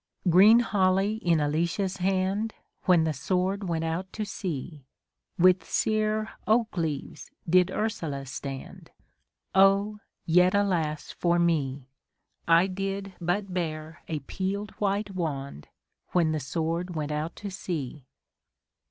Green holly in Alicia's hand, When the Sword went out to sea ; With sere oak leaves did Ursula stand ; O ! yet alas for me ! I did but bear a peel'd white wand, When the Sword went out to sea.